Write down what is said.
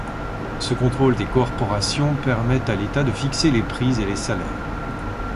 Ce contrôle des corporations permet à l'État de fixer les prix et les salaires.